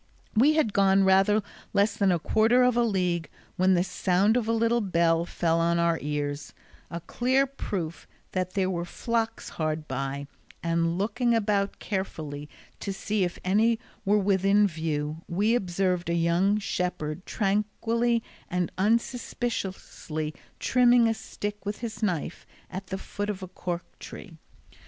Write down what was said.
We had gone rather less than a quarter of a league when the sound of a little bell fell on our ears, a clear proof that there were flocks hard by, and looking about carefully to see if any were within view, we observed a young shepherd tranquilly and unsuspiciously trimming a stick with his knife at the foot of a cork tree.